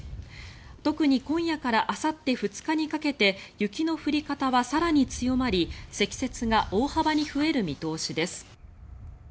特に今夜からあさって２日にかけて雪の降り方は更に強まり積雪が大幅に増える見通しです。